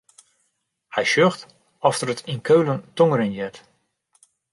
Hy sjocht oft er it yn Keulen tongerjen heart.